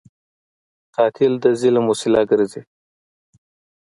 قاتل د ظلم وسیله ګرځي